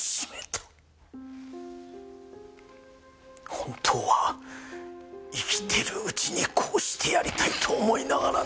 本当は生きてるうちにこうしてやりたいと思いながらね。